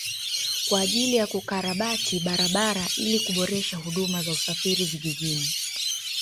Kwa ajili ya kukarabati barabara ili kuboresha huduma za usafiri vijijini